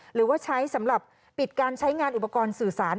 หรือว่าใช้สำหรับปิดการใช้งานอุปกรณ์สื่อสาร